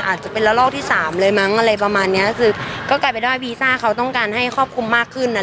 อาจจะเป็นละลอกที่สามเลยมั้งอะไรประมาณเนี้ยก็คือก็กลายเป็นว่าวีซ่าเขาต้องการให้ครอบคลุมมากขึ้นนะ